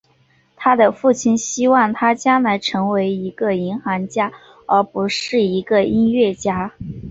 他的父亲希望他将来成为一个银行家而不是一个音乐家。